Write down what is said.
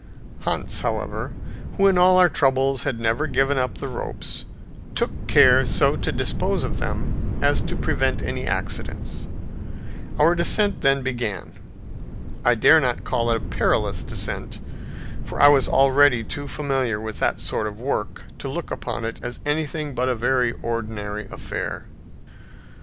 Hans, however, who in all our troubles had never given up the ropes, took care so to dispose of them as to prevent any accidents. Our descent then began. I dare not call it a perilous descent, for I was already too familiar with that sort of work to look upon it as anything but a very ordinary affair.